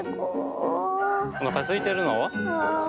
おなかすいてるの？